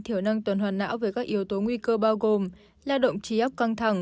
thiểu năng tuần hoàn não với các yếu tố nguy cơ bao gồm là động trí áp căng thẳng